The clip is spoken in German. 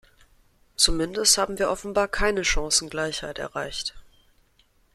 Zumindest haben wir offenbar keine Chancengleichheit erreicht.